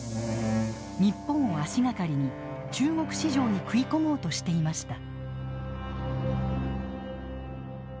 日本を足がかりに中国市場に食い込もうとしていました。